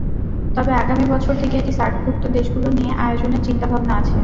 তবে আগামী বছর থেকে এটি সার্কভুক্ত দেশগুলো নিয়ে আয়োজনের চিন্তাভাবনা আছে।